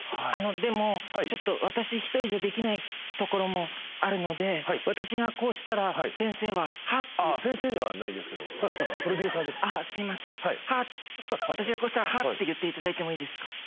あのでもちょっと私１人じゃできないところもあるので私がこうしたら先生は「ハッ」てああ先生ではないですけどプロデューサーですあっすいません「ハッ」て私がこうしたら「ハッ」て言っていただいてもいいですか？